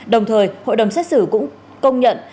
đồng thời hội đồng xét xử cũng công nhận